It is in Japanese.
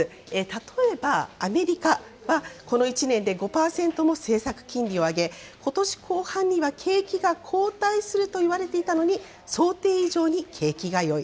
例えばアメリカは、この１年で５％も政策金利を上げ、ことし後半には景気が後退するといわれていたのに、想定以上に景気がよい。